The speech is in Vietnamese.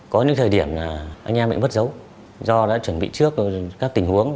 có những thời điểm là anh em bị mất dấu do đã chuẩn bị trước các tình huống